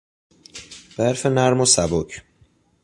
برف نرم و سبک